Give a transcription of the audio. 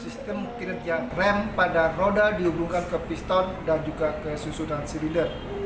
sistem kriteria rem pada roda dihubungkan ke piston dan juga ke susunan sirider